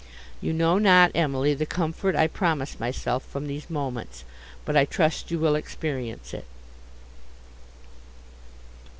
You know not, Emily, the comfort I promise myself from these moments; but I trust you will experience it."